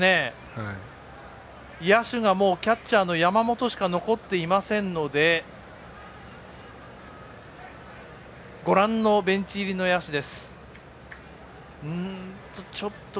野手がもうキャッチャーの山本しか残っていませんのでご覧のベンチ入りの野手です。